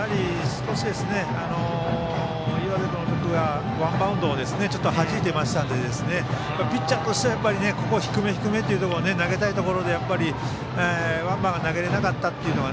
岩出君が、ワンバウンドをはじいていましたのでピッチャーとしては低め、低めを投げたいところでワンバンが投げられなかったのが。